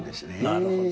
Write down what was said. なるほど。